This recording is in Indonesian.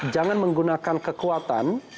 jangan menggunakan kekuatan